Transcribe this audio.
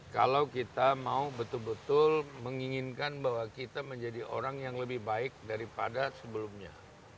kalau kita mau betul betul menginginkan bahwa kita menjadi orang yang lebih baik daripada sebelumnya